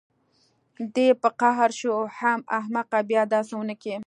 دى په قهر شو حم احمقه بيا دسې ونکې.